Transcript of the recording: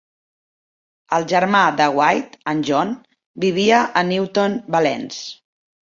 El germà de White, en John, vivia a Newton Valence.